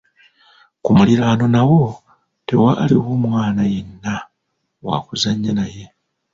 Ku muliraano nawo tewaaliwo mwana yenna wa kuzannya naye.